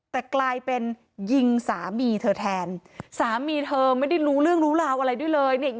แต่กลายเป็นยิงสามีเธอแทนสามีเธอไม่ได้รู้เรื่องรู้ราวอะไรด้วยเลยเนี่ย